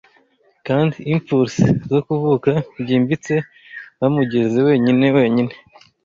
Kandi impuls zo kuvuka byimbitse Bamugeze wenyine wenyine